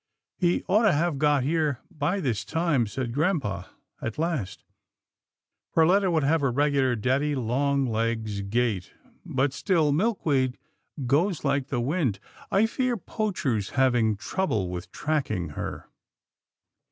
" He ought to have got here by this time," said grampa at last. " Perletta would have a regular daddy longlegs gait, but still Milkweed goes like the wind. I fear Poacher's having trouble with tracking her."